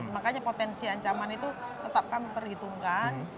makanya potensi ancaman itu tetap kami perhitungkan